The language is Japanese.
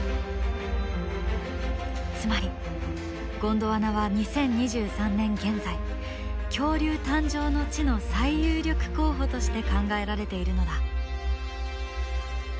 つまりゴンドワナは２０２３年現在恐竜誕生の地の最有力候補として考えられているのだ。